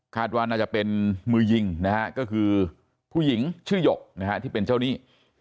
ว่าน่าจะเป็นมือยิงนะฮะก็คือผู้หญิงชื่อหยกนะฮะที่เป็นเจ้าหนี้